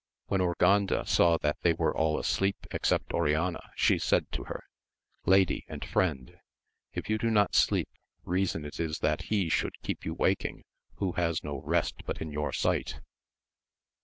When Urganda saw that they were all asleep except Oriana, she said to her. Lady and friend, if you do not sleep reason it is that he should keep you waking who has no rest but in your sight.